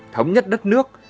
thống nhất đất nước